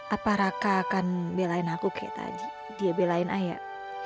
apa raka akan belain aku kayak tadi dia belain ayah